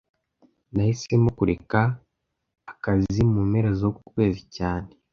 Nahisemo kureka akazi mu mpera zuku kwezi cyane